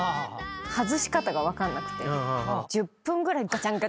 「外し方が分かんなくて」